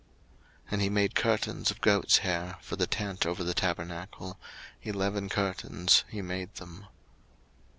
02:036:014 And he made curtains of goats' hair for the tent over the tabernacle: eleven curtains he made them.